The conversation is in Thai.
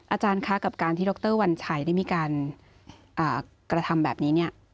อาจารย์คะกับการที่ดรวัญชัยได้มีการกระทำแบบนี้เนี่ย